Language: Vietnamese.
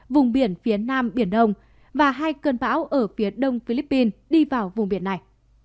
vùng biển phía nam biển đông và hai cơn bão ở phía đông philippines đi vào vùng biển này